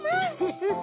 フフフ。